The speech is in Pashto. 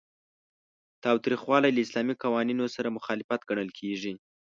تاوتریخوالی له اسلامي قوانینو سره مخالف ګڼل کیږي.